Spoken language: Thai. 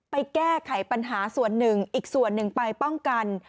แก้ไขปัญหาส่วนหนึ่งอีกส่วนหนึ่งไปป้องกัน